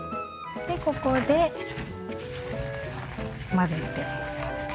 でここで混ぜて。